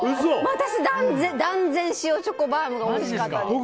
私、断然、塩チョコバウムがおいしかったです。